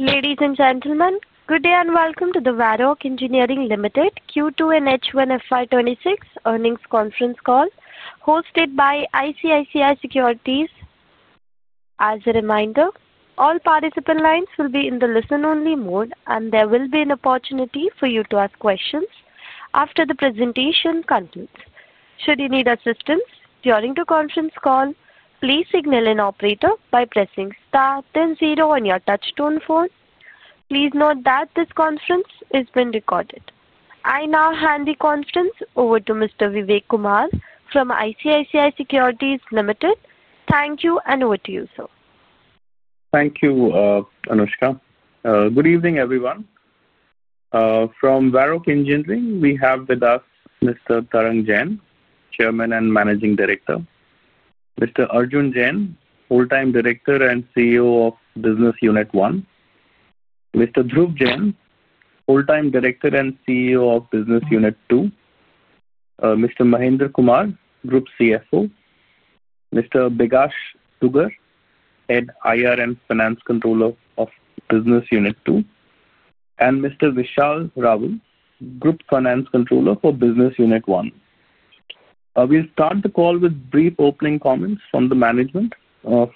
Ladies and gentlemen, good day and welcome to the Varroc Engineering Limited Q2 and H1 FY26 earnings conference call hosted by ICICI Securities. As a reminder, all participant lines will be in the listen only mode and there will be an opportunity for you to ask questions after the presentation concludes. Should you need assistance during the conference call, please signal an operator by pressing star then zero on your touchtone phone. Please note that this conference has been recorded. I now hand the conference over to Mr. Vivek Kumar from ICICI Securities Limited. Thank you. And over to you sir. Thank you, Anushka. Good evening everyone. From Varroc Engineering, we have with us Mr. Tarang Jain, Chairman and Managing Director, Mr. Arjun Jain, Full-Time Director and CEO of Business Unit 1, Mr. Dhruv Jain, Full-Time Director and CEO of Business Unit 2, Mr. Mahendra Kumar, Group CFO, Mr. Bikash Dugar, Head IR and Finance Controller of Business Unit 2, and Mr. Vishal Raval, Group Finance Controller for Business Unit 1. We'll start the call with brief opening comments from the management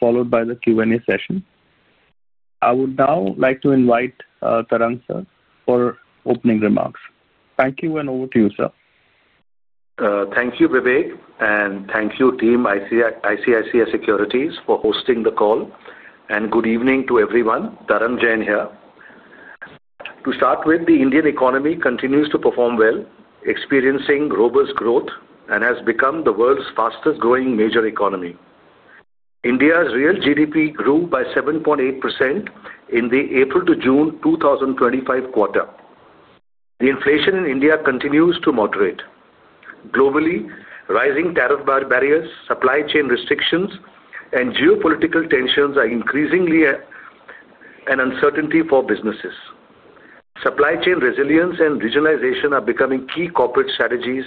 followed by the Q&A session. I would now like to invite Tarang sir for opening remarks. Thank you. Over to you sir. Thank you, Vivek. Thank you, team ICICI Securities, for hosting the call, and good evening to everyone. Tarang Jain here to start with. The Indian economy continues to perform well, experiencing robust growth and has become the world's fastest growing major economy. India's real GDP grew by 7.8% in the April to June 2025 quarter. The inflation in India continues to moderate. Globally, rising tariff barriers, supply chain restrictions, and geopolitical tensions are increasingly an uncertainty for businesses. Supply chain resilience and regionalization are becoming key corporate strategies.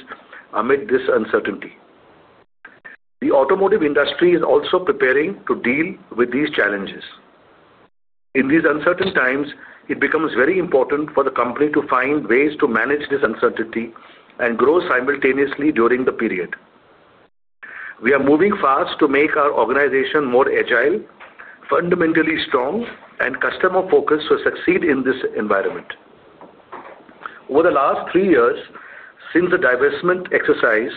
Amid this uncertainty, the automotive industry is also preparing to deal with these challenges. In these uncertain times, it becomes very important for the company to find ways to manage this uncertainty and grow simultaneously during the period. We are moving fast to make our organization more agile, fundamentally strong, and customer focused to succeed in this environment. Over the last three years since the divestment exercise,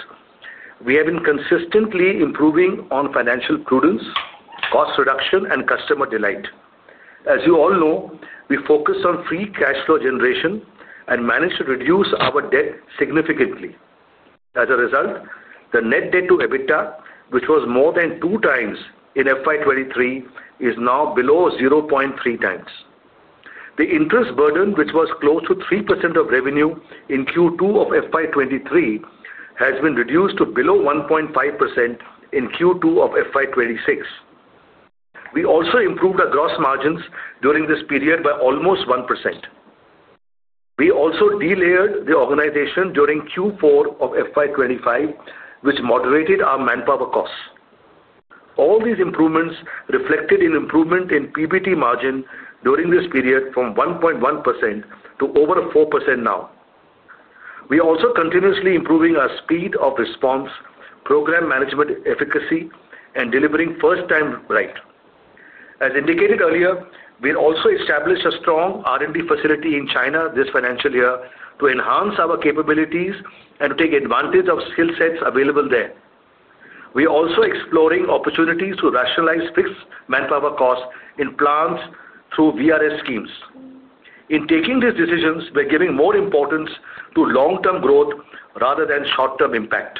we have been consistently improving on financial prudence, cost reduction and customer delight. As you all know, we focus on free cash flow generation and managed to reduce our debt significantly. As a result, the net debt to EBITDA which was more than 2x in FY2023 is now below 0.3x. The interest burden which was close to 3% of revenue in Q2 of FY2023 has been reduced to below 1.5% in Q2 of FY2026. We also improved our gross margins during this period by almost 1%. We also delayered the organization during Q4 of FY2025 which moderated our manpower costs. All these improvements reflected in improvement in PBT margin during this period from 1.1% to over 4% now. We are also continuously improving our speed of response, program management efficacy, and delivering first time right. As indicated earlier, we also established a strong R&D facility in China this financial year to enhance our capabilities and to take advantage of skill sets available there. We are also exploring opportunities to rationalize fixed manpower costs in plants through VRS schemes. In taking these decisions, we're giving more importance to long term growth rather than short term impact.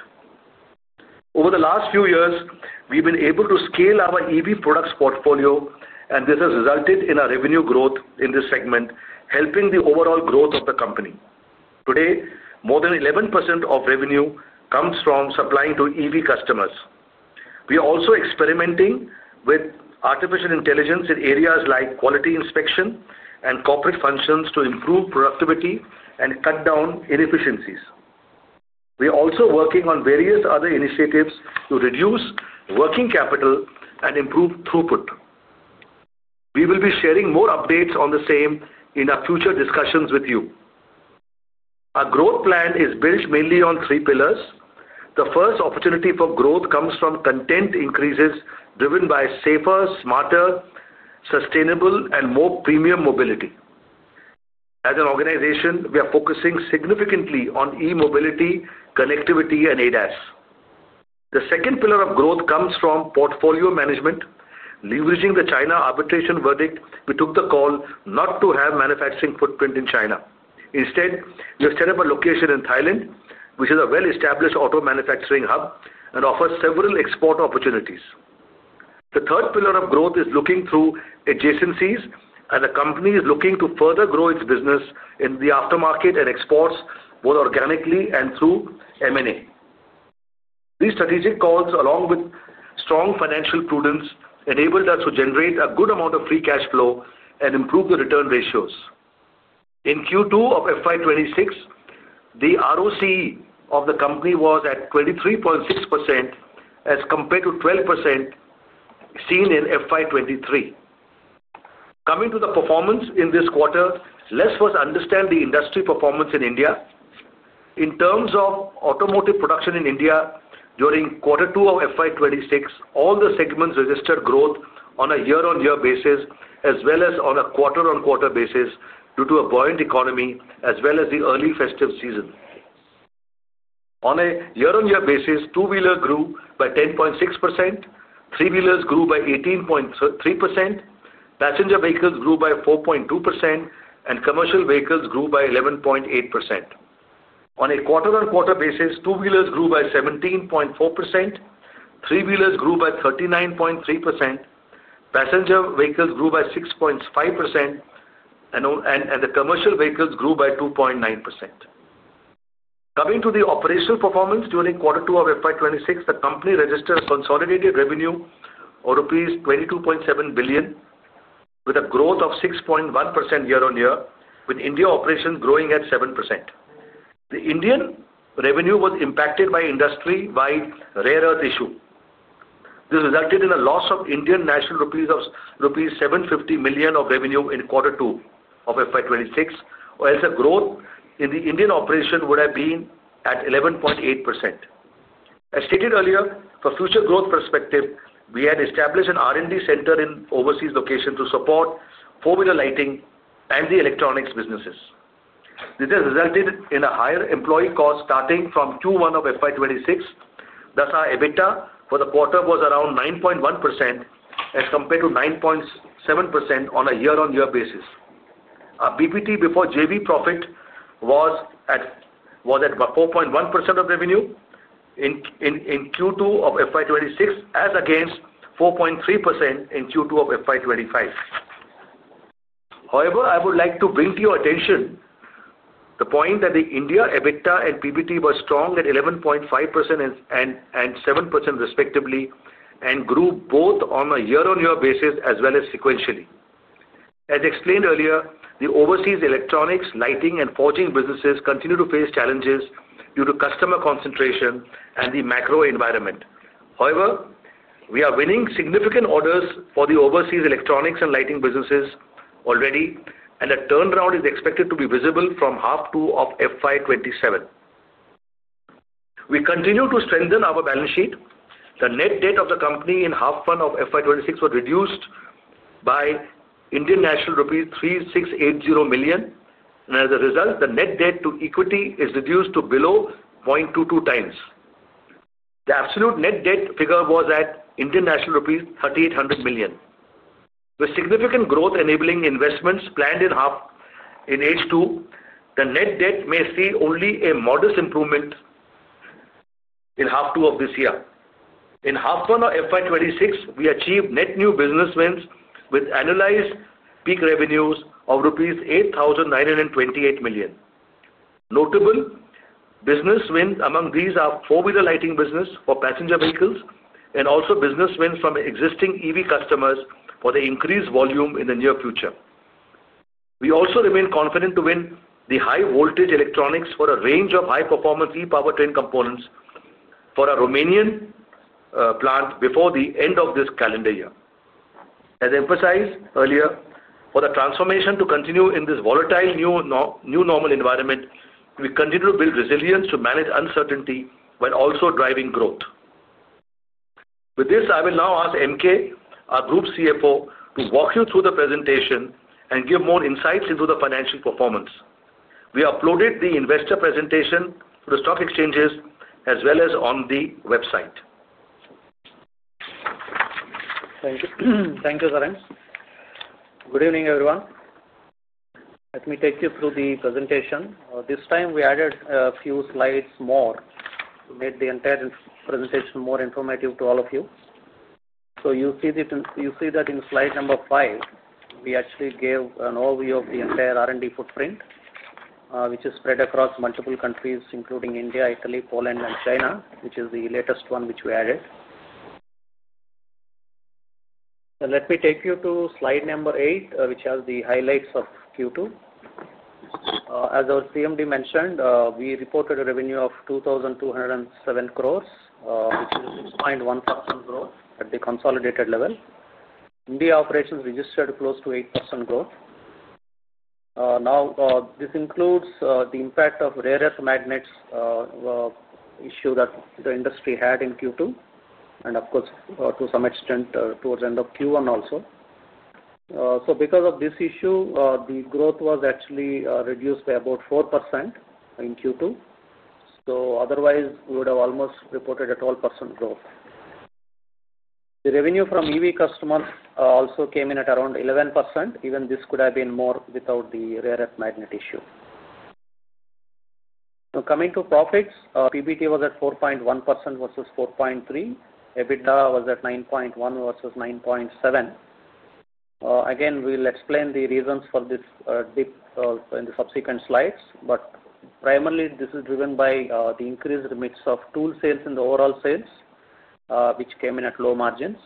Over the last few years, we've been able to scale our EV products portfolio and this has resulted in our revenue growth in this segment, helping the overall growth of the company. Today, more than 11% of revenue comes from supplying to EV customers. We are also experimenting with artificial intelligence in areas like quality, inspection, and corporate functions to improve productivity and cut down inefficiencies. We are also working on various other initiatives to reduce working capital and improve throughput. We will be sharing more updates on the same in our future discussions with you. Our growth plan is built mainly on three pillars. The first opportunity for growth comes from content increases driven by safer, smarter, sustainable, and more premium mobility. As an organization, we are focusing significantly on E-mobility, connectivity, and ADAS. The second pillar of growth comes from portfolio management. Leveraging the China arbitration verdict, we took the call not to have manufacturing footprint in China. Instead, we have set up a location in Thailand, which is a well-established auto manufacturing hub and offers several export opportunities. The third pillar of growth is looking through adjacencies, and the company is looking to further grow its business in the aftermarket and exports both organically and through M&A. These strategic calls along with strong financial prudence enabled us to generate a good amount of free cash flow and improve the return ratios. In Q2 of FY2026, the ROCE of the company was at 23.6% as compared to 12% seen in FY2023. Coming to the performance in this quarter, let's first understand the industry performance in India in terms of automotive production. In India during quarter two of FY2026, all the segments registered growth on a year-on-year basis as well as on a quarter-on-quarter basis due to a buoyant economy as well as the early festive season. On a year-on-year basis, two wheelers grew by 10.6%, three wheelers grew by 18.3%, passenger vehicles grew by 4.2%, and commercial vehicles grew by 11.8% on a quarter. On quarter basis two wheelers grew by 17.4%, three wheelers grew by 39.3%, passenger vehicles grew by 6.5%, and the commercial vehicles grew by 2.9%. Coming to the operational performance during quarter two of FY2026, the company registered a consolidated revenue of rupees 22.7 billion with a growth of 6.1% year on year. With India operations growing at 7%, the Indian revenue was impacted by industry wide rare earth issue. This resulted in a loss of rupees 750 million of revenue in quarter two of FY2026 or else the growth in the Indian operation would have been at 11.8%. As stated earlier for future growth perspective, we had established an R&D center in overseas location to support formidable lighting and the electronics businesses. This has resulted in a higher employee cost starting from Q1 of FY2026. Thus our EBITDA for the quarter was around 9.1% as compared to 9.7% on a year-on-year basis. Our PBT before JV profit was at about 4.1% of revenue in Q2 of FY2026 as against 4.3% in Q2 of FY2025. However, I would like to bring to your attention the point that the India EBITDA and PBT were strong at 11.5% and 7% respectively and grew both on a year-on-year basis as well as sequentially. As explained earlier, the overseas electronics, lighting, and forging businesses continue to face challenges due to customer concentration and the macro environment. However, we are winning significant orders for the overseas electronics and lighting businesses already and a turnaround is expected to be visible from half two of FY2027. We continue to strengthen our balance sheet. The net debt of the company in half one of FY2026 was reduced by rupees 3,680 million and as. A result the net debt to equity. Is reduced to below the absolute net debt figure was at rupees 3,800 million with significant growth enabling investments planned in half in H2. The net debt may see only a modest improvement in half two of this year. In half one of FY2026 we achieved net new business wins with annualized peak revenues of 8,928 million rupees. Notable business wins among these are four wheeler lighting business for passenger vehicles and also business wins from existing EV customers for the increased volume in the near future. We also remain confident to win the high voltage electronics for a range of high performance E-powertrain components for our Romanian plant before the end of this calendar year. As emphasized earlier, for the transformation to continue in this volatile new normal environment, we continue to build resilience to manage uncertainty while also driving growth. With this, I will now ask M.K., our Group CFO, to walk you through the presentation and give more insights into the financial performance. We uploaded the investor presentation to the stock exchanges as well as on the website. Thank you, Tarang. Good evening, everyone. Let me take you through the presentation. This time we added a few slides more to make the entire presentation more informative to all of you. You see that in slide number five we actually gave an overview of the entire R&D footprint, which is spread across multiple countries including India, Italy, Poland, and China, which is the latest one we added. Let me take you to slide number 8, which has the highlights of Q2. As our CMD mentioned, we reported a revenue of 2,207 crore, which is a 6.1% growth. At the consolidated level, India operations registered close to 8% growth. This includes the impact of rare earth magnets issue that the industry had in Q2 and, of course, to some extent towards the end of Q1 also. Because of this issue, the growth was actually reduced by about 4% in Q2, so otherwise we would have almost reported a 12% growth. The revenue from EV customer also came in at around 11%. Even this could have been more without the rare earth magnet issue coming to profits. PBT was at 4.1% versus 4.3%. EBITDA was at 9.1% versus 9.7%. Again, we'll explain the reasons for this dip in the subsequent slides, but primarily this is driven by the increased mix of tool sales and overall sales which came in at low margins.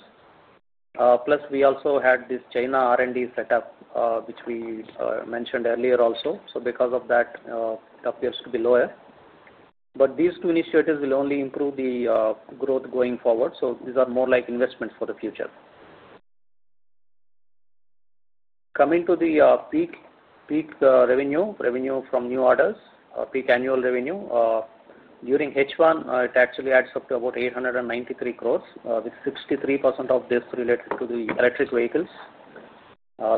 Plus, we also had this China R&D set up which we mentioned earlier also. Because of that, it appears to be lower, but these two initiatives will only improve the growth going forward. These are more like investments for the future. Coming to the peak revenue from new orders, peak annual revenue during H1 actually adds up to about 8.93 billion with 63% of this related to electric vehicles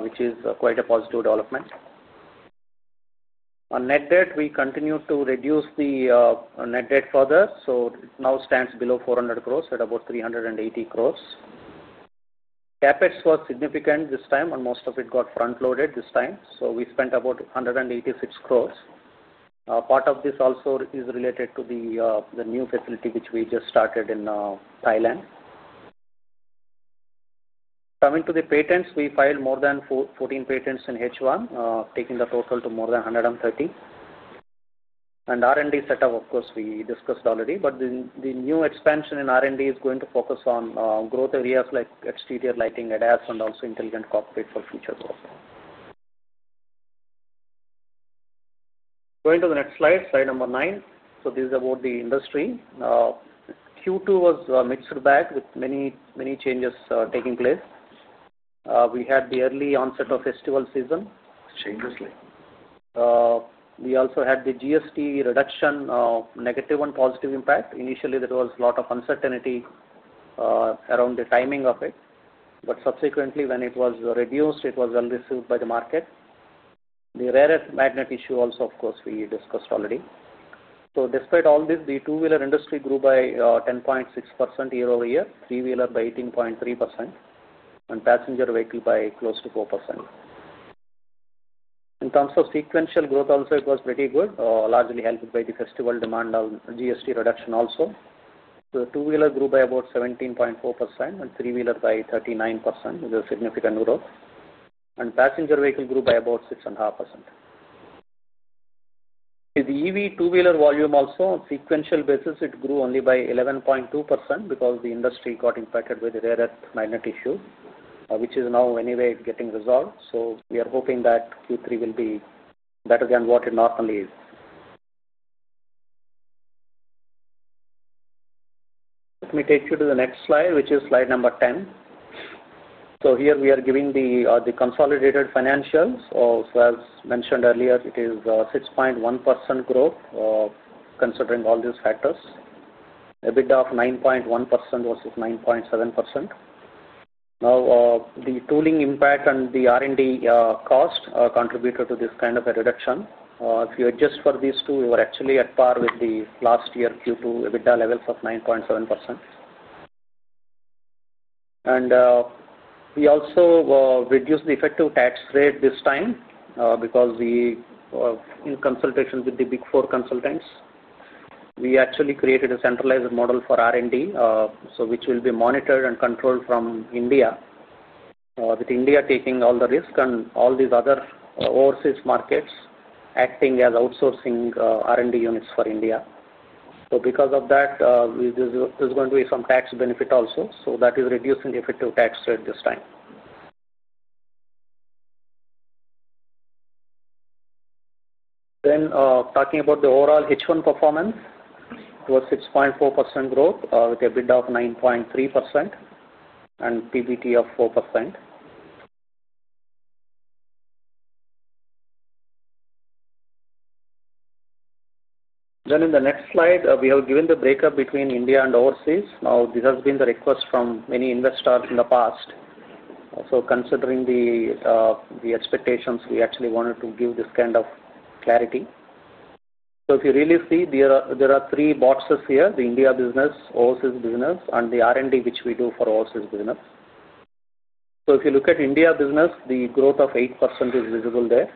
which is quite a positive development. On net debt we continue to reduce the net debt further so now stands below 400 crores at about 380 crores. CapEx was significant this time and most of it got front loaded this time so we spent about 186 crores. Part of this also is related to the new facility which we just started in Thailand. Coming to the patents, we filed more than 14 patents in H1 taking the total to more than 130. R&D setup of course we discussed already but the new expansion in R&D is going to focus on growth areas like exterior lighting, ADAS and also intelligent cockpit for future growth. Going to the next slide, slide number nine. This is about the industry. Q2 was a mixed bag with many changes taking place. We had the early onset of festival season. We also had the GST reduction negative and positive impact. Initially there was a lot of uncertainty around the timing of it, but subsequently when it was reduced it was well received by the market. The rare earth magnet issue also of course we discussed already. Despite all this, the two wheeler industry grew by 10.6% year over year, three wheeler by 18.3%, and passenger vehicle by close to 4%. In terms of sequential growth also it was pretty good, largely helped by the festival demand of GST reduction. Also the two wheeler grew by about 17.4% and three wheeler by 39% with a significant growth, and passenger vehicle grew by about 6.5%. The EV two wheeler volume also on sequential basis it grew only by 11.2% because the industry got impacted with the rare earth magnet issue which is now anyway getting resolved. We are hoping that Q3 will be better than what it normally is. Let me take you to the next slide which is slide number 10. Here we are giving the consolidated financials. As mentioned earlier it is 6.1% growth. Considering all these factors, EBITDA of 9.1% versus 9.7%. Now the tooling impact and the R&D cost contributed to this kind of a reduction. If you adjust for these two, you are actually at par with the last year Q2 EBITDA levels of 9.7%. We also reduced the effective tax rate this time because in consultation with the Big Four consultants we actually created a centralized model for R&D which will be monitored and controlled from India with India taking all the risk and all these other overseas markets acting as outsourcing R&D units for India. Because of that, there is going to be some tax benefit also. That is reducing the effective tax rate this time. Talking about the overall H1 performance, it was 6.4% growth with EBITDA of 9.3% and PBT of 4%. In the next slide we have given the breakup between India and overseas. This has been the request from many investors in the past. Considering the expectations, we actually wanted to give this kind of clarity. If you really see there are three boxes here, the India business, Oasis business, and the R&D which we do for Oasis business. If you look at India business, the growth of 8% is visible there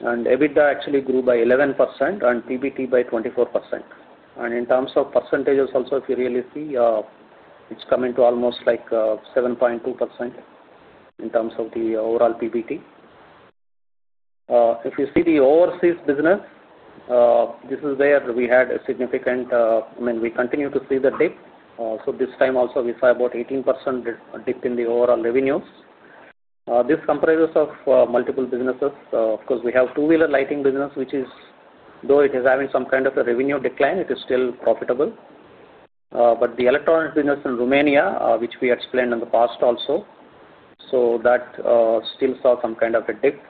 and EBITDA actually grew by 11% and PBT by 24%. In terms of percentages also, if you really see, it is coming to almost 7.2% in terms of the overall PBT. If you see the overseas business, this is where we had a significant, I mean, we continue to see the dip. This time also we saw about 18% dip in the overall revenues. This comprises of multiple businesses. Of course, we have two-wheeler lighting business which is, though it is having some kind of a revenue decline, it is still profitable. The electronic business in Romania, which we explained in the past also, still saw some kind of a dip,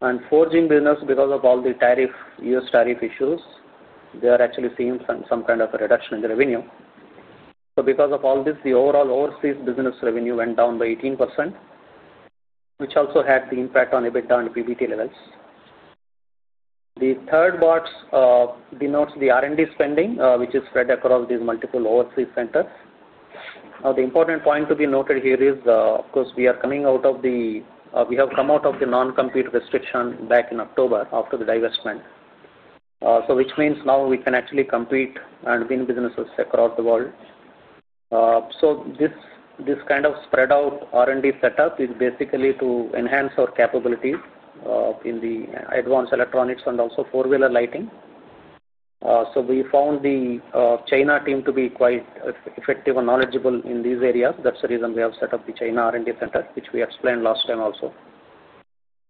and forging business, because of all the U.S. tariff issues, there actually seems some kind of a reduction in the revenue. Because of all this, the overall overseas business revenue went down by 18%, which also had the impact on EBITDA and PBT levels. The third box denotes the R&D spending, which is spread across these multiple overseas centers. Now, the important point to be noted here is, of course, we are coming out of the, we have come out of the non-compete restriction back in October after the divestment, which means now we can actually compete and win businesses across the world. This kind of spread out R&D setup is basically to enhance our capabilities in advanced electronics and also four-wheeler lighting. We found the China team to be quite effective and knowledgeable in these areas. That is the reason we have set up the China R&D center, which we explained last time also.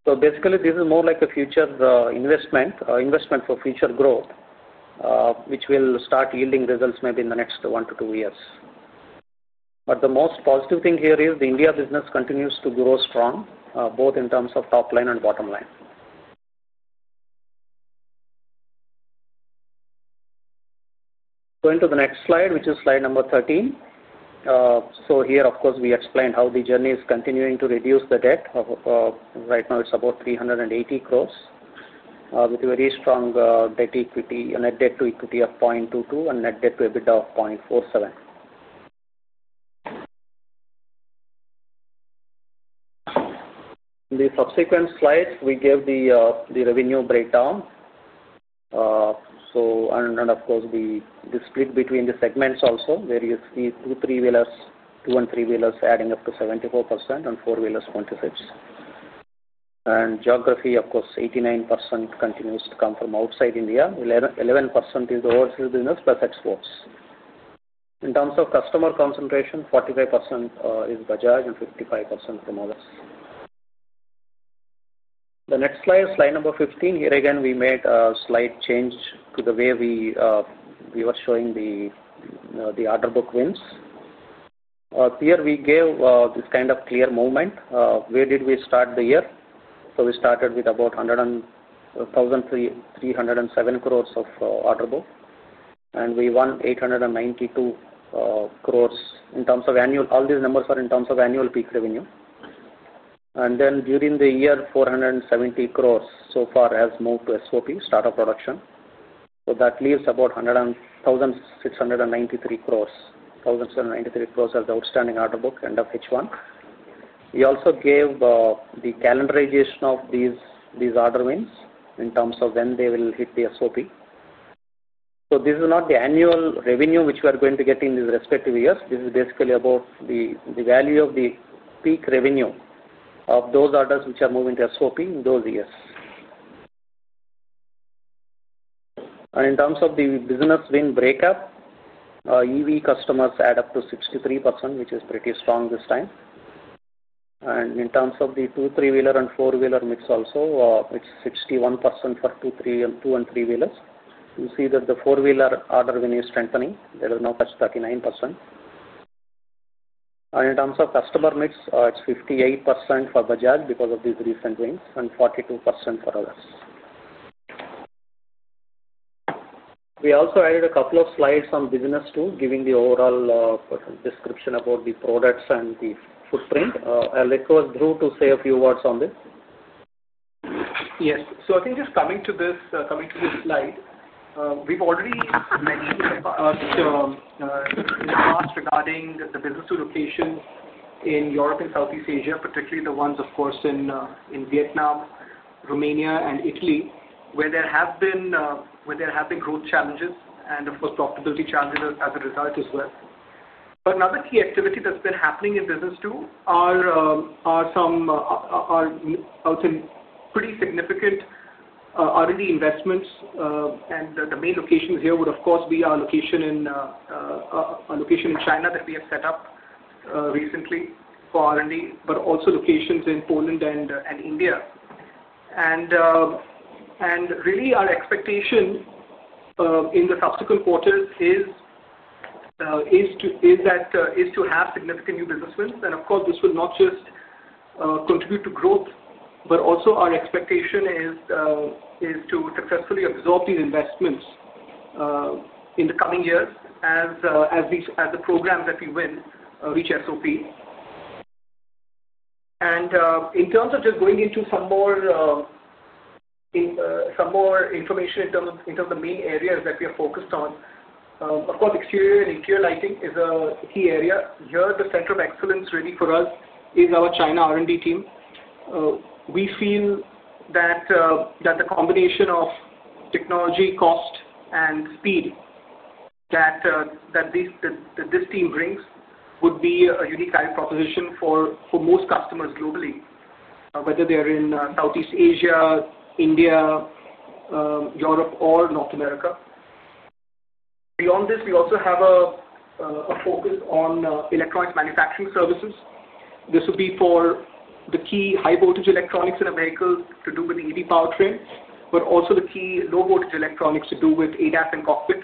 This is more like an investment for future growth, which will start yielding results maybe in the next one to two years. The most positive thing here is the India business continues to grow strong both in terms of top line and bottom line. Going to the next slide, which is slide number 13. Here, of course, we explained how the journey is continuing to reduce the debt. Right now it is about 380 crores with a very strong debt equity. Net debt to equity of 0.22 and net debt to EBITDA of 0.47. The subsequent slides we gave the revenue breakdown. Of course, the split between the segments also where you see two and three wheelers adding up to 74% and four wheelers quantities and geography. Of course, 89% continues to come from outside India. 11% is the world series in spec exports. In terms of customer concentration, 45% is Bajaj and 55% promoters. The next slide, slide number 15. Here again we made a slight change to the way we were showing the order book wins here. We gave this kind of clear movement. Where did we start the year? We started with about 100,307 crores of order book and we won 892 crores in terms of annual. All these numbers are in terms of annual peak revenue. During the year, 470 crores so far has moved to SOP, start of production. That leaves about 1,693 crores, 1,693 crores of the outstanding order book at the end of H1. We also gave the calendarization of these orders, meaning in terms of when they will hit the SOP. This is not the annual revenue which we are going to get in the respective years. This is basically about the value of the peak revenue of those orders which are moving to SOP in those years. In terms of the business win breakup, EV customers add up to 63%, which is pretty strong this time. In terms of the two-, three-wheeler, and four-wheeler mix also, it is 61% for two and three wheelers. You see that the four-wheeler order revenue is strengthening, there is no touch, 39% in terms of customer mix. It's 58% for Bajaj because of these recent wins and 42% for others. We also added a couple of slides on business too, giving the overall description about the products and the footprint. I'll request Dhruv to say a few words on this. Yes, so I think just coming to this, coming to this slide, we've already mentioned in the past regarding the business two locations in Europe and Southeast Asia, particularly the ones of course in Vietnam, Romania and Italy where there have been growth challenges and of course profitability challenges. As a result as well. Another key activity that's been happening in business two are some pretty significant R&D investments. The main location here would of course be our location in China that we have set up recently for R&D but also locations in Poland and India. Really our expectation in the subsequent. Quarters. Is to have significant new business wins. This will not just contribute to growth but also our expectation is to successfully absorb these investments in the coming years as the program that we win reach SOP and in terms of just going into some more. Some. More information in terms of the main areas that we are focused on. Of course, exterior and interior lighting is a key area here. The center of excellence really for us is our China R&D team. We feel that the combination of technology, cost, and speed that this team brings would be a unique value proposition for most customers globally, whether they are in Southeast Asia, India, Europe, or North America. Beyond this, we also have a focus on electronics manufacturing services. This would be for the key high voltage electronics in a vehicle to do with EV powertrain, but also the key low voltage electronics to do with ADAS and cockpit.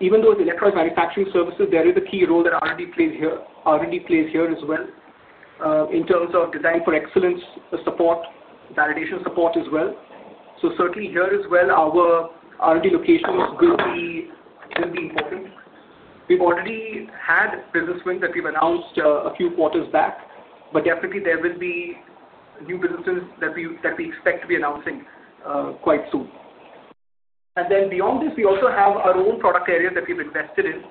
Even though electronics manufacturing services, there is a key role that R&D plays here. R&D plays here as well as in terms of design for excellence support, validation support as well. Certainly here as well our R&D locations will be important. We've already had business win that we've announced a few quarters back but definitely there will be new businesses that we expect to be announcing quite soon. Then beyond this we also have our own product area that we've invested in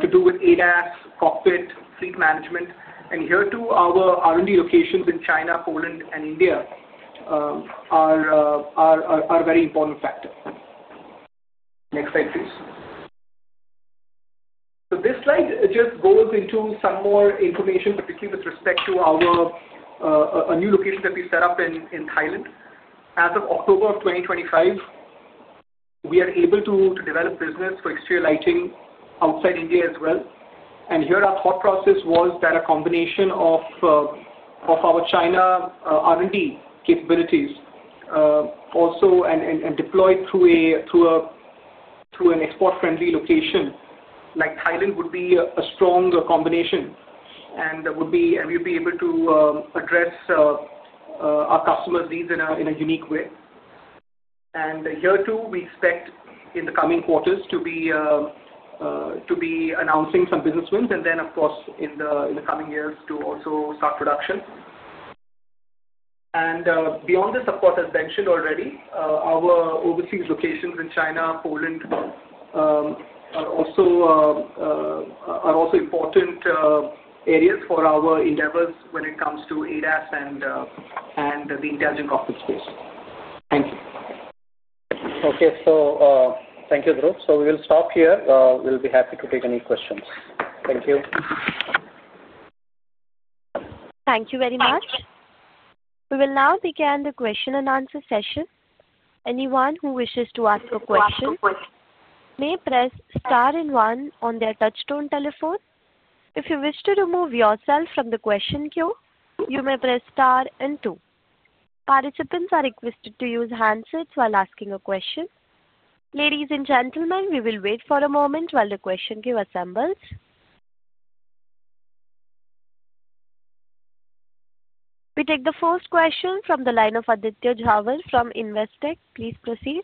to do with ADAS cockpit fleet management. Here too our R&D locations in China, Poland, and India are very important factor. Next slide please. This slide just goes into some more information particularly with respect to our new location that we set up in Thailand. As of October of 2025 we are able to develop business for exterior lighting outside India as well. Our thought process was that a combination of our China R&D capabilities, also deployed through an export-friendly location like Thailand, would be a strong combination and would be able to address our customers' needs in a unique way. Here too, we expect in the coming quarters to be announcing some business wins and then, of course, in the coming years to also start production. Beyond this, as mentioned already, our overseas locations in China and Poland are also important areas for our endeavors when it comes to ADAS and the intelligent cockpit space. Thank you. Okay, thank you, Dhruv. We will stop here. We'll be happy to take any questions. Thank you. Thank you very much. We will now begin the question and answer session. Anyone who wishes to ask a question may press star and one on their touch tone telephone. If you wish to remove yourself from the question queue you may press star and two. Participants are requested to use handsets while asking a question. Ladies and gentlemen, we will wait for a moment while the question queue assembles. We take the first question from the line of Aditya Jhawar from Investec. Please proceed.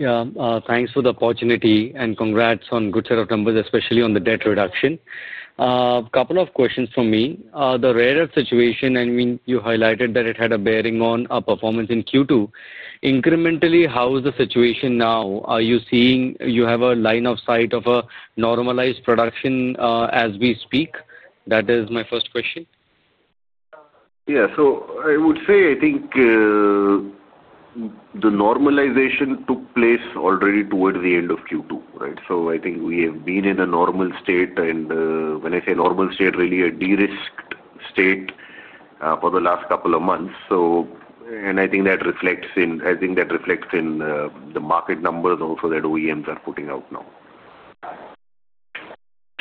Yeah, thanks for the opportunity and congrats on good set of numbers especially on the debt reduction. A couple of questions for me. The rare earth situation, I mean you highlighted that it had a bearing on performance in Q2 incrementally. How is the situation now? Are you seeing you have a line of sight of a normalize production as we speak? That is my first question. Yeah, so I would say I think. The normalization took place already towards the end of Q2. Right. I think we have been in a normal state, and when I say normal state, really a de-risked state for the last couple of months. So. I think that reflects in the market numbers also that OEMs are putting out now.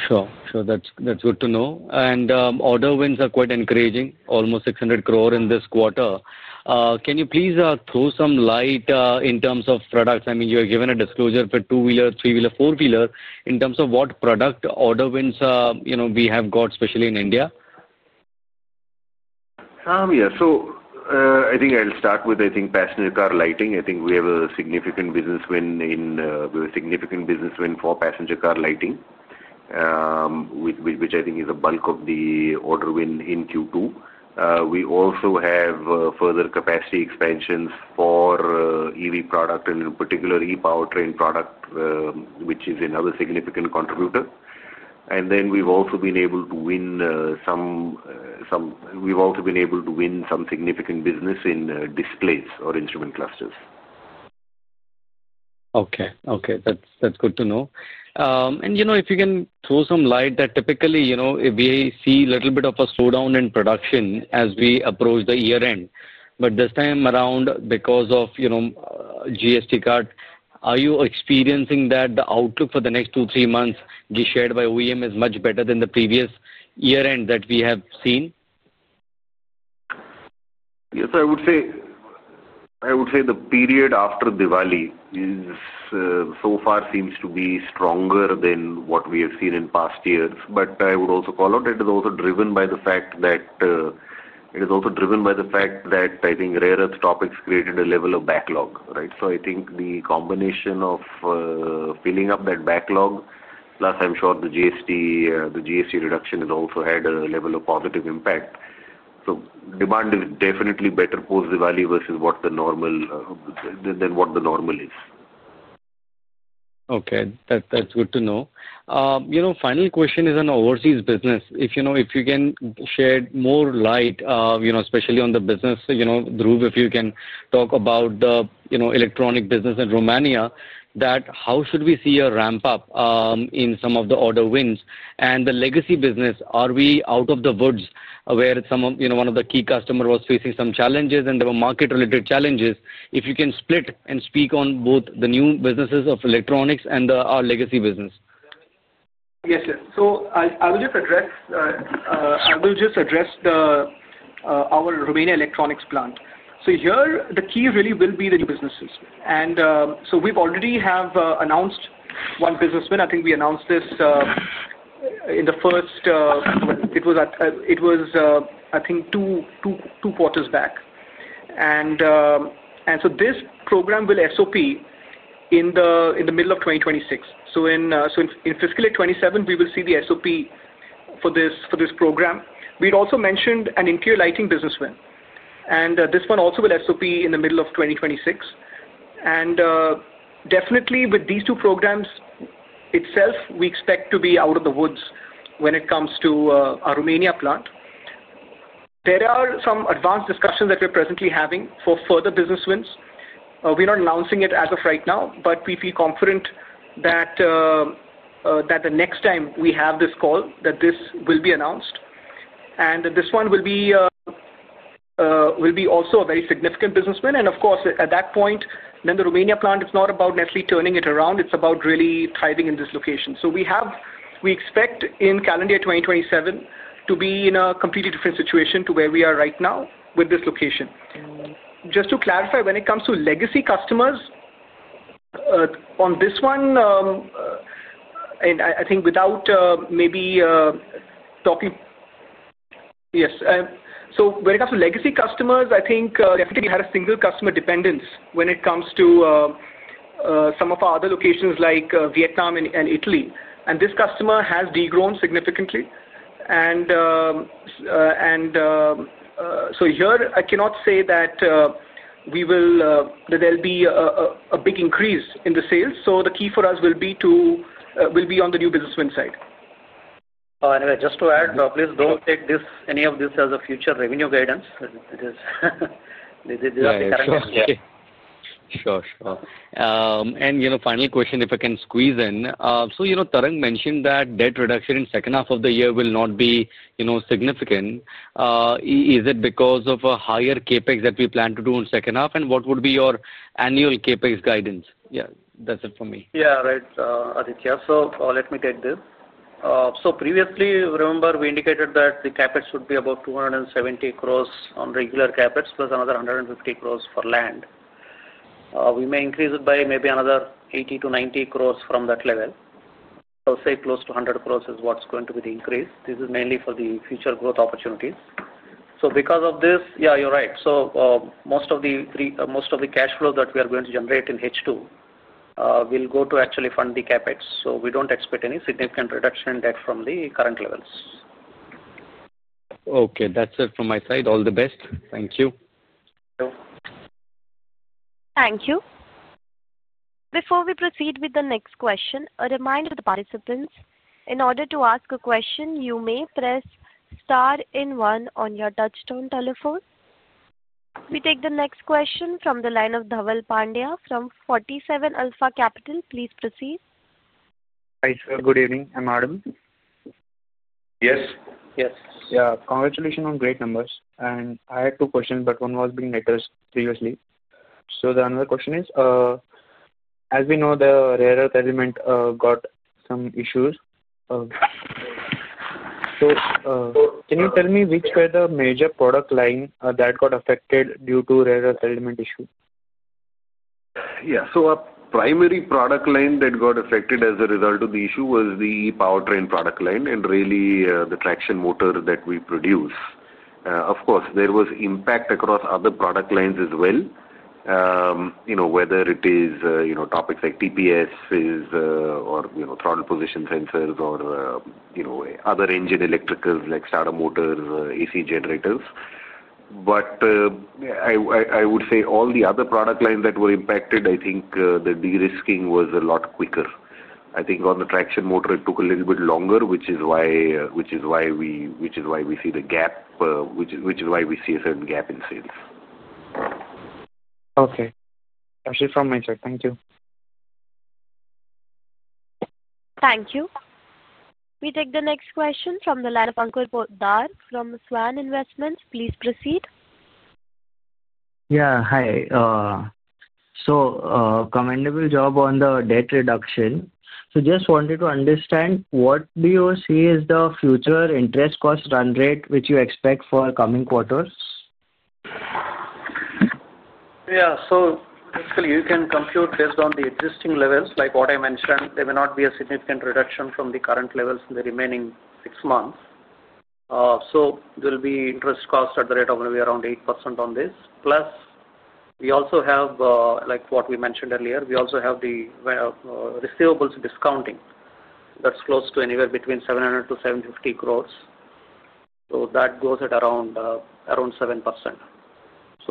Sure, that's good to know. Order wins are quite encouraging. Almost 600 crores in this quarter. Can you please throw some light in terms of products? I mean, you have given a disclosure for two-wheeler, three-wheeler, four-wheeler in terms of what product order wins we have got, especially in India. I think I'll start with passenger car lighting. I think we have a significant business win, a significant business win for passenger car lighting, which I think is a bulk of the order win in Q2. We also have further capacity expansions for EV product and in particular e powertrain product, which is another significant contributor. We've also been able to win some significant business in displays or instrument clusters. Okay. Okay, that's. That's good to know. You know, if you can throw some light, typically, you know, we see a little bit of a slowdown in production as we approach the year end. This time around, because of, you know, GST card, are you experiencing that the outlook for the next two, three months shared by OEM is much better than the previous year end that we have seen? Yes, I would say the period after. Diwali so far seems to be stronger than what we have seen in past years. I would also call out it is also driven by the fact that I think rare earth topics created a level of backlog. I think the combination of filling up that backlog plus I am sure the GST reduction has also had a level of positive impact. Demand is definitely better post Diwali versus what the normal is. Okay, that's good to know. You know, final question is an overseas business, if you know, if you can shed more light, you know, especially on the business. You know, Dhruv, if you can talk about the, you know, electronic business in Romania, that how should we see a ramp up in some of the order wins and the legacy business? Are we out of the woods where one of the key customer was facing some challenges and there were market related challenges? If you can split and speak on both the new businesses of electronics and our legacy business. Yes. I will just address our Romania electronics plant. Here the key really will be the new businesses. We already have announced one business win. I think we announced this in the first, it was two quarters back. This program will SOP in the middle of 2026. In fiscal 2027 we will see the SOP for this program. We also mentioned an interior lighting business win and this one also will SOP in the middle of 2026. Definitely with these two programs itself we expect to be out of the woods when it comes to our Romania plant. There are some advanced discussions that we are presently having for further business wins. We're not announcing it as of right now but we feel confident that the next time we have this call that this will be announced and this one will be also a very significant businessman. Of course, at that point then the Romania plant, it's not about Nestlé turning it around, it's about really thriving in this location. We expect in calendar 2027 to be in a completely different situation to where we are right now with this location. Just to clarify, when it comes to legacy customers on this one, and I think without maybe talking. Yes. When it comes to legacy customers, I think we had a single customer dependence when it comes to some of our other locations like Vietnam and Italy and this customer has degrown significantly. I cannot say that we will, there'll be a big increase in the sales. The key for us will be to, will be on the new businessman side. Just to add, please don't take any of this as future revenue. Guidance. You know, final question if I can squeeze in, you know, Tarang mentioned that debt reduction in second half of the year will not be, you know, significant. Is it because of a higher CapEx that we plan to do in second half and what would be your annual CapEx guidance? Yeah, that's it for me. Yeah. Right, Aditya. Let me take this. Previously, remember we indicated that the CapEx should be about 270 crores on regular CapEx plus another 150 crores for land. We may increase it by maybe another 80 crores-90 crores from that level, say close to 100 crores is what's going to be the increase. This is mainly for the future growth opportunities. Because of this, yeah, you're right. Most of the cash flow that we are going to generate in H2 will go to actually fund the CapEx. We do not expect any significant reduction in debt from the current levels. Okay, that's it. From my side. All the best. Thank you. Thank you. Before we proceed with the next question, a reminder to the participants, in order to ask a question you may press star and one on your touch-tone telephone. We take the next question from the line of Dhaval Pandya from 47 Alpha Capital. Please proceed. Good evening, am I audible? Yes. Yes. Yeah, congratulations on great numbers. I had two questions but one was being letters previously. Another question is as we know the rare earth element got some issues. Can you tell me which were the major product line that got affected due to rare earth settlement issue? Yeah. A primary product line that got. Affected as a result of the issue was the powertrain product line and really the traction motor that we produce. Of course there was impact across other product lines as well. You know, whether it is, you know, topics like TPS or, you know, throttle position sensors or, you know, other engine electricals like starter motors, AC generators. I would say all the other product lines that were impacted, I think the de-risking was a lot quicker. I think on the traction motor it took a little bit longer, which is why we see the gap, which is why we see a certain gap in sales. Okay. That's it from my side. Thank you. Thank you. We take the next question from the line of [Khandelwal] from Swan Investments. Please proceed. Yeah. Hi. Commendable job on the debt reduction. Just wanted to understand what do. You see is the future interest cost run rate which you expect for coming quarters? Yeah. So basically you can compute based on the existing levels like what I mentioned there may not be a significant reduction from the current levels in the remaining six months. There will be interest cost at the rate of maybe around 8% on this. Plus we also have like what we mentioned earlier, we also have the receivables discounting that's close to anywhere between 700 crores-750 crores. That goes at around, around 7%.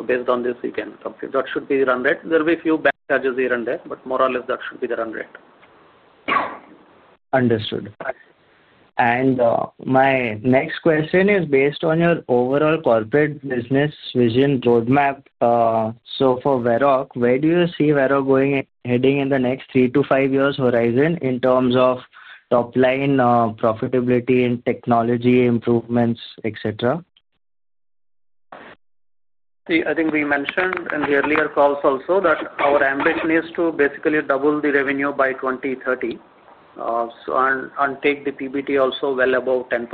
Based on this you can compute that should be the run rate. There will be few bad charges here and there, but more or less that should be the run rate. Understood. My next question is based on your overall corporate business vision roadmap. For Varroc, where do you see Varroc going, heading in the next three to five years horizon in terms of top line, profitability, and technology improvements, etc.? I think we mentioned in the earlier calls also that our ambition is to basically double the revenue by 2030 and take the PBT also well above 10%.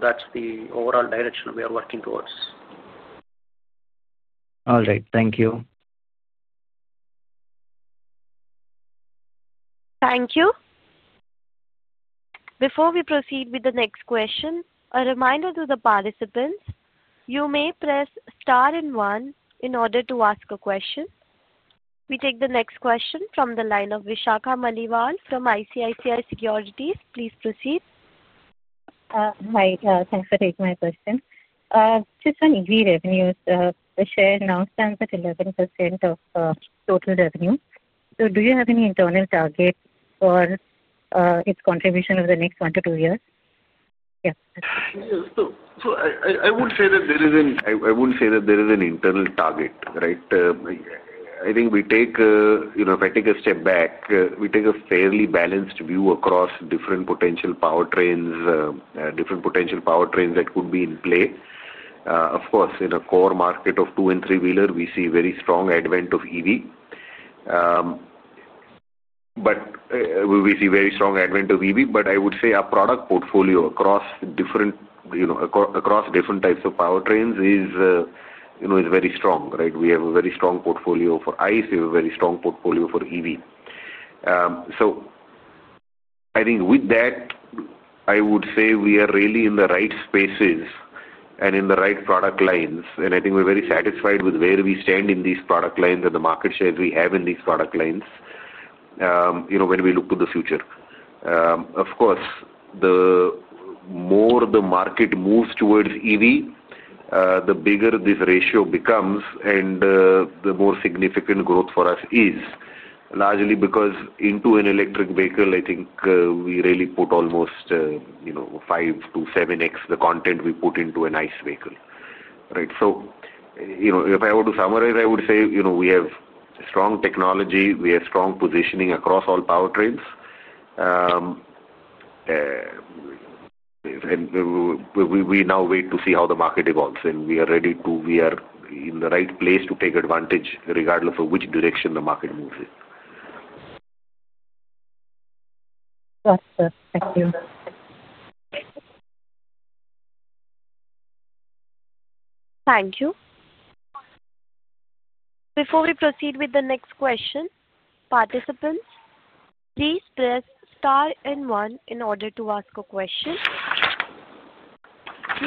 That is the overall direction we are working towards. All right, thank you. Thank you. Before we proceed with the next question, a reminder to the participants. You may press star and one in order to ask a question. We take the next question from the line of Vishakha Maliwal from ICICI Securities. Please proceed. Hi, thanks for taking my question. Just on EGR revenues, the share now stands at 11% of total revenue. Do you have any internal target for its contribution over the next one to two years? Yeah, so I wouldn't say that there.is an internal target. Right. I think we take, you know, if I take a step back, we take a fairly balanced view across different potential powertrains. Different potential powertrains that could be in play. Of course, in a core market of two and three wheeler, we see very strong advent of EV, but we see very strong advent of EV. I would say our product portfolio across different, you know, across different types of powertrains is, you know, is very strong. Right.We have a very strong portfolio for ICE, we have a very strong portfolio for EV. I think with that, I would say we are really in the right spaces and in the right product lines. I think we are very satisfied with where we stand in these product lines and the market share we have in these product lines. When we look to the future, of course, the more the market moves towards EV, the bigger this ratio becomes and the more significant growth for us is largely because into an electric vehicle, I think we really put almost 5x-7x the content we put into an ICE vehicle. If I were to summarize, I would say we have strong technology, we have strong positioning across all powertrains. We now wait to see how the market evolves, and we are ready to, we are in the right place to take advantage regardless of which direction the market moves in. Thank you. Before we proceed with the next question, participants, please press star and one in order to ask a question.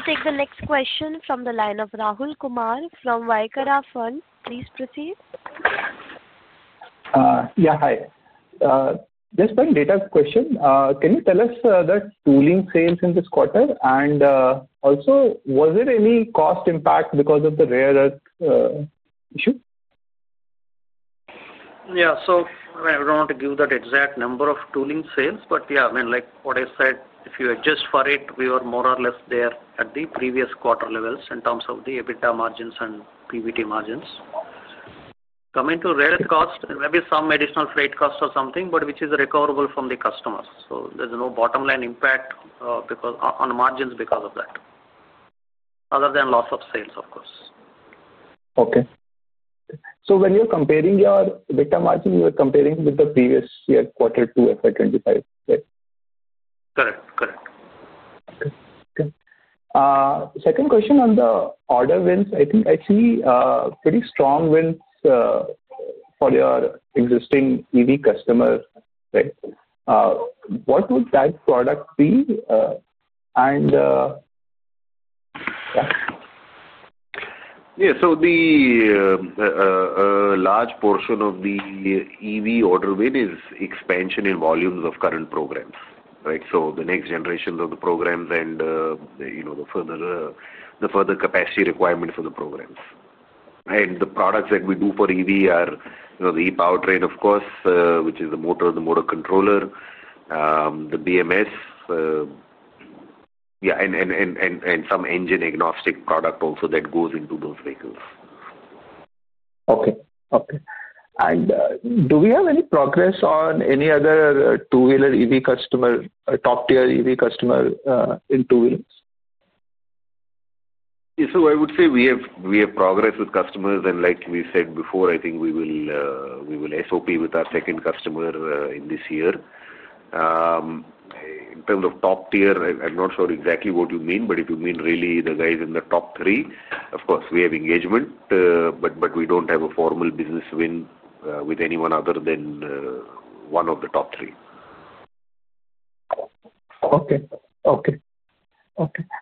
Take the next question from the line of Rahul Kumar from Vaikarya, please proceed. Yeah, hi, just one data question. Can you tell us the tooling sales in this quarter and also was there any cost impact because of the rare earth issue? Yeah, so I don't want to give that exact number of tooling sales. But yeah, I mean like what I said, if you adjust for it, we were more or less there at the previous quarter levels in terms of the EBITDA margins and PBT margins. Coming to Reddit cost, maybe some additional freight cost or something, but which is recoverable from the customers. There is no bottom line impact on margins because of that other than loss of sales, of course. Okay, so when you're comparing your EBITDA margin, you are comparing with the previous year quarter two, FY2025. Correct. Correct. Second question on the order wins. I think I see pretty strong wins for your existing EV customer. What would that product be? Yeah, so the. Large portion of the EV order win is expansion in volumes of current programs. Right. The next generation of the programs and, you know, the further capacity requirement for the programs and the products that we do for EV are the E-powertrain, of course, which is the motor, the motor controller, the BMS. Yeah. And some engine-agnostic product also that goes into those vehicles. Okay. Do we have any progress on this? Any other two wheeler EV customer? Top tier EV customer in two wheelers. I would say we have progress with customers and like we said before, I think we will SOP with our second customer in this year. In terms of top tier, I'm not sure exactly what you mean but if you mean really the guys in the top three, of course we have engagement, but we do not have a formal business win with anyone other than one of the top three. Okay. Okay.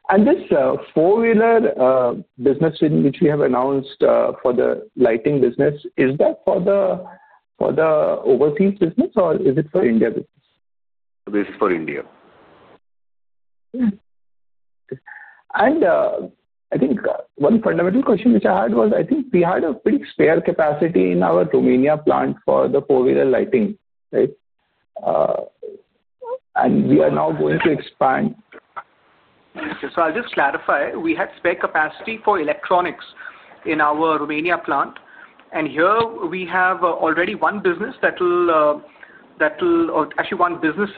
And this four wheeler business which we have announced for the lighting business, is that for the, for the overseas business or is it for India business? This is for India. I think one fundamental question which I had was I think we had a big spare capacity in our Romania plant for the four wheeler lighting and we are now going to expand. I'll just clarify. We had spare capacity for electronics in our Romania plant and here we have already one business that will actually, one business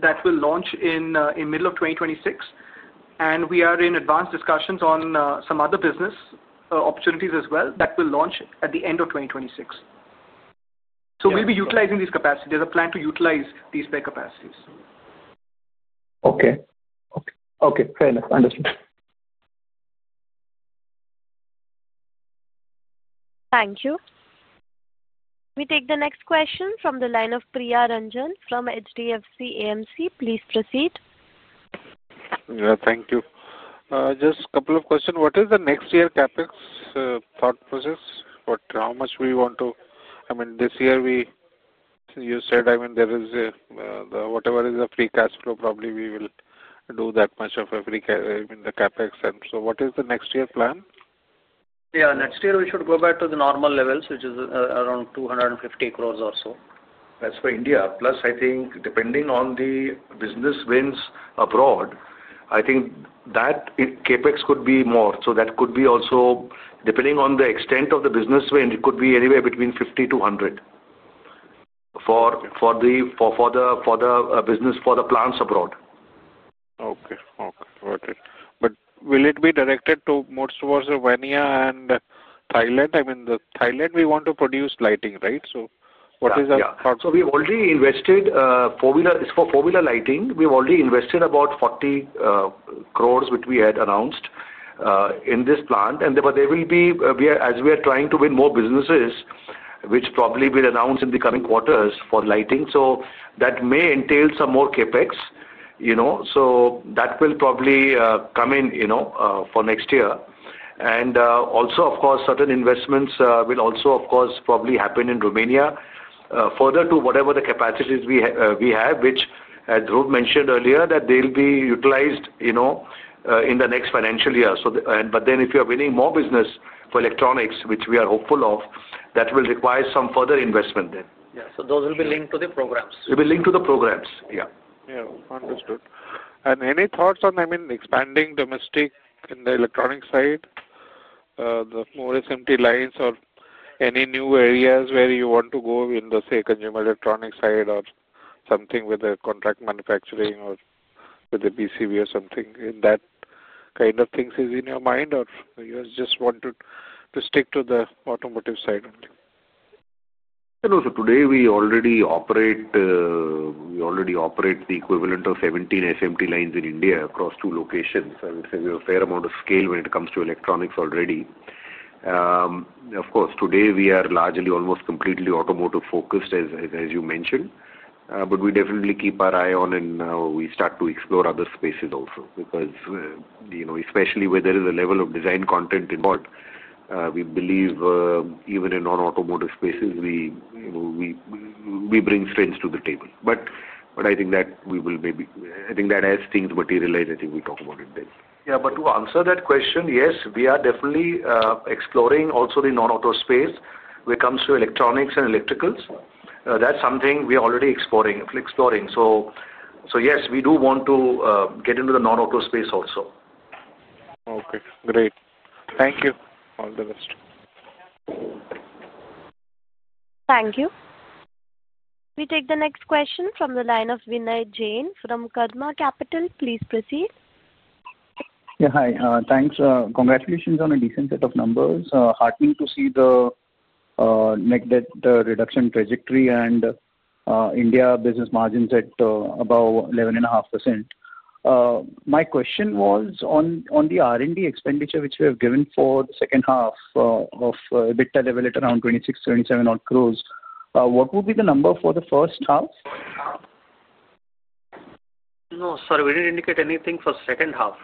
that will launch in the middle of 2026 and we are in advanced discussions on some other business opportunities as well that will launch at the end of 2026. We'll be utilizing this capacity. There's a plan to utilize these big capacities. Okay, okay, fair enough. Understood. Thank you. We take the next question from the line of Priya Ranjan from HDFC AMC. Please proceed. Yeah, thank you. Just couple of question. What is the next year CapEx thought process? What how much we want to. I mean this year we. You said, I mean there is whatever is a free cash flow probably we will do that much of every the CapEx and so what is the next year plan? Yeah, next year we should go back. To the normal levels which is around 250 crores or so. As for India plus I think depending on the business wins abroad I think that CapEx could be more, so that could be also depending on the extent of the business win, it could be anywhere between 50 million-100 million for the business, for the plants abroad. Okay, okay. Will it be directed most towards Romania and Thailand? I mean, Thailand, we want to produce lighting, right? What is that? We have already invested, the formula is for formula lighting. We have already invested about 40 crores, which we had announced in this plant. There will be, as we are trying to win more businesses, which probably will be announced in the coming quarters for lighting, so that may entail some more CapEx, you know, so that will probably come in for next year. Also, of course, certain investments will also probably happen in Romania, further to whatever the capacities we have, which, as Dhruv mentioned earlier, will be utilized in the next financial year. If we are winning more business for electronics, which we are hopeful of, that will require some further investment there. Yeah, so those will be linked to the programs. They will link to the programs. Yeah, yeah, understood. Any thoughts on, I mean, expanding domestic in the electronic side, the more SMT lines or any new areas where you want to go in the, say, consumer electronic side or something with the contract manufacturing or with the BCV or something in that kind of things is in your mind, or you just wanted to stick to the automotive side only. Today we already operate the equivalent of 17 SMT lines in India across two locations and we have a fair amount of scale when it comes to electronics already. Of course, today we are largely, almost completely automotive focused as you mentioned, but we definitely keep an eye on and we start to explore other spaces also because, you know, especially where there is a level of design content involved, we believe even in non-automotive spaces we bring strengths to the table. I think that as things materialize, we talk about it then. Yeah, to answer that question, yes we are definitely exploring also the non-auto space when it comes to electricity, electronics, and electricals. That is something we are already exploring. So. Yes, we do want to get into the non auto space also. Okay, great. Thank you. All the best. Thank you. We take the next question from the line of Vinay Jain from Karma Capital. Please proceed. Yeah. Hi. Thanks. Congratulations on a decent set of numbers. Heartening to see the reduction trajectory and India business margins at about 11.5%. My question was on the R&D expenditure which we have given for the second half at the EBITDA level at around 26 crores, 27 crores. What would be the number for the first half? No sir, we didn't indicate anything for second half.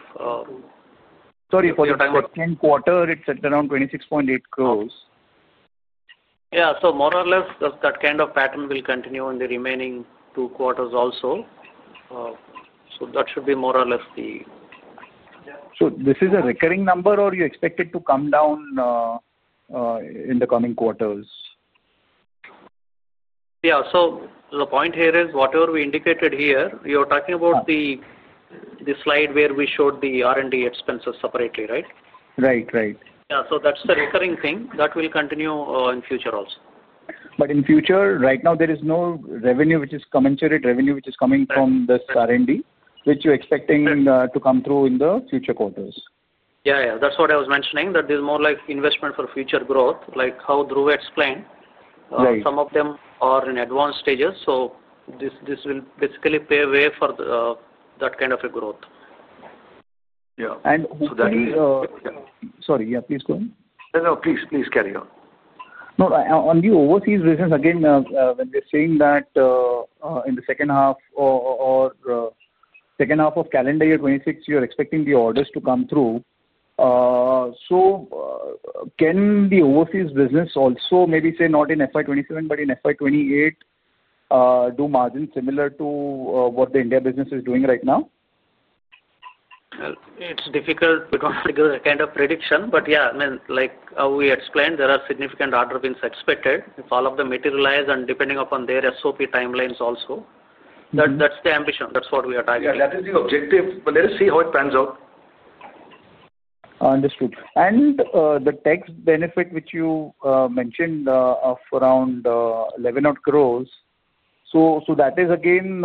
Sorry. For your quarter it sits around 26.8 crores. Yeah. More or less that kind of pattern will continue in the remaining two quarters also. That should be more or less the. So this is a recurring number, or? You expect it to come down in the coming quarters. Yeah. So the point here is whatever we indicated here, you're talking about the slide where we showed the R&D expenses separately. Right, right. That's the recurring thing that will continue in future also. now there is. In future, there is. No revenue which is commensurate revenue which is coming from this R&D which you're expecting to come through in the future quarters. Yeah, that's what I was mentioning, that there's more like investment for future growth. Like how Dhruv explained, some of them are in advanced stages. This will basically pave way for that kind of a growth. Sorry. Yeah, please go. Please, please carry on. No, on the overseas business again, when. We're saying that in the second half or second half of calendar year 2026 you're expecting the orders to come through. Can the overseas business also maybe say not in FY2027 but in FY2028 do margins similar to what the India business is doing right now? It's difficult because kind of prediction. Yeah, I mean like we explained, there are significant orders being expected if all of them materialize and depending upon their SOP timelines also. That's the ambition, that's what we are targeting. That is the objective. Let us see how it pans out. Understood. The tax benefit which you mentioned of around 11 crores. So. That is again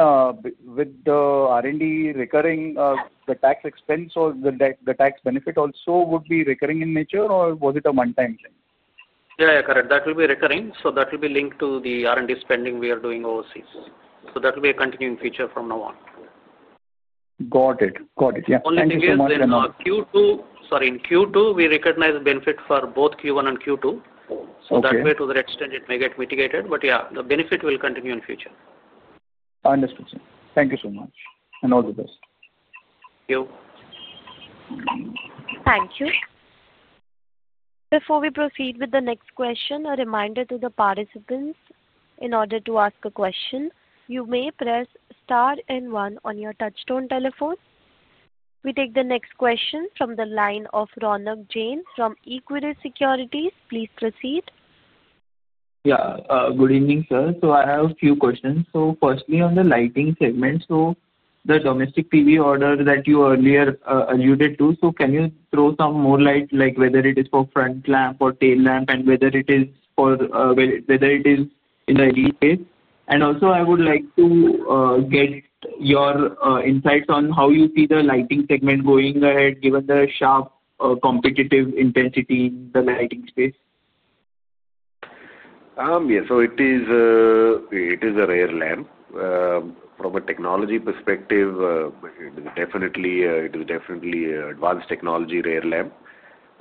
with the R&D recurring, the tax expense or the tax benefit also would be recurring in nature or was it a one time thing? Yeah, correct. That will be recurring. That will be linked to the R&D spending we are doing overseas. That will be a continuing feature from now on. Got it, got it. Yeah, sorry. In Q2 we recognize benefit for both Q1 and Q2. That way to the extent it may get mitigated, but yeah, the benefit will continue in future. Thank you so much and all the best to you. Thank you. Before we proceed with the next question, a reminder to the participants in order to ask a question, you may press star and one on your touchtone telephone. We take the next question from the line of Ronak Jain from Equirus Securities. Please proceed. Yeah, good evening sir. I have a few questions. Firstly, on the lighting segment, the domestic PV order that you earlier alluded to, can you throw some more light, like whether it is for front lamp or tail lamp and whether it is for, whether it is in the, and also I would like to get your insights on how you see the. Lighting segment going ahead given the sharp. Competitive intensity, the lighting space. Yes.It is a rare lamp from a technology perspective. Definitely, it is definitely advanced technology rare lamp.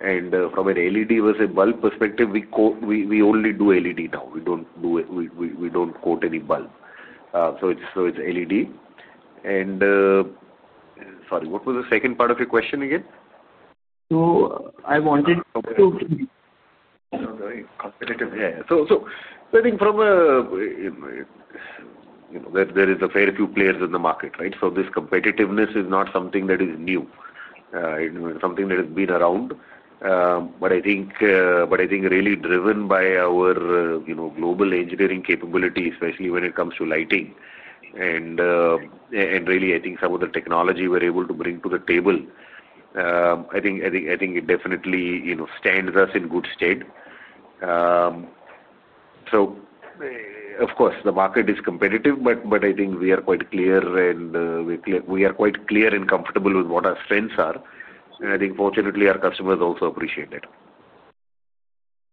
And from an LED versus bulb perspective. We coat. We only do LED now. We do not do it, we do not quote any bulb. So it is LED. And sorry, what was the second part. Of your question again? I wanted to. Competitive. Yeah. I think from a. There are a fair few players in the market. Right. This competitiveness is not something that is new, something that has been around, but I think really driven by our global engineering capability, especially when it comes to lighting. I think some of the technology we're able to bring to the table definitely stands us in good stead. The market is competitive, but I think we are quite clear and comfortable with what our strengths are. I think fortunately our customers also appreciate that.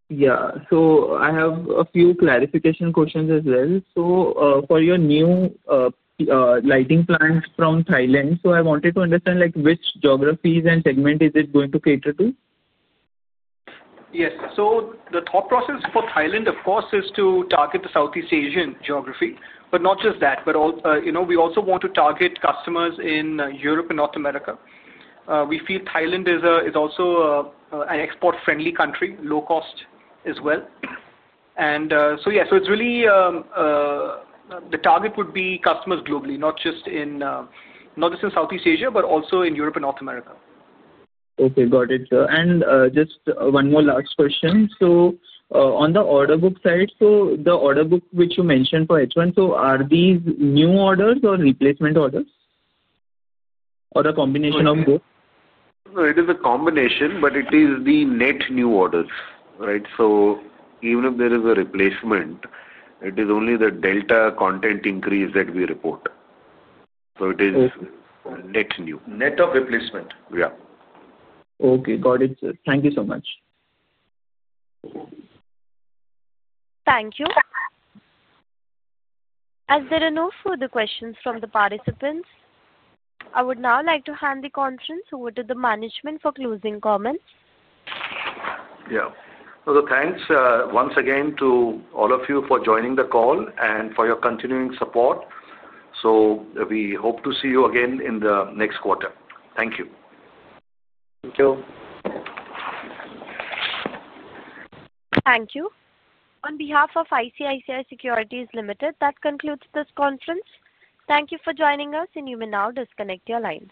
Yeah. So I have a few clarification questions as well. For your new lighting plant from Thailand, I wanted to understand like which geographies and segment is it going to cater to? Yes. The thought process for Thailand of course is to target the Southeast Asian geography. But not just that, but you know, we also want to target customers in Europe and North America. We feel Thailand is also an export friendly country, low cost as well. So yeah, it's really the target would be customers globally, not just in Southeast Asia but also in Europe and North America. Okay, got it. Just one more last question. On the order book side, the order book which you mentioned for H1, are these new orders or replacement orders or a combination of both? It is a combination, but it is the net new orders. Right. Even if there is a replacement, it is only the delta content increase that we report. It is net new. Net of replacement. Yeah. Okay, got it. Thank you so much. Thank you. As there are no further questions from the participants, I would now like to hand the conference over to the management for closing comments. Yeah. Thanks once again to all of you for joining the call and for your continuing support. We hope to see you again in the next quarter. Thank you. Thank you. Thank you. On behalf of ICICI Securities Limited, that concludes this conference. Thank you for joining us. You may now disconnect your lines.